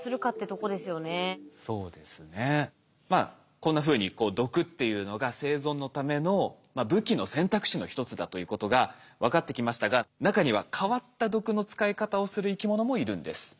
こんなふうに毒っていうのが生存のための武器の選択肢の一つだということが分かってきましたが中には変わった毒の使い方をする生き物もいるんです。